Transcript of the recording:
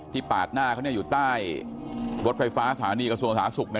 ที่ปราตรหน้าเขาอยู่ใต้รถไฟฟ้าสาหรันท์นี่